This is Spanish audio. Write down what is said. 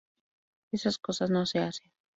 Esas cosas no se hacen.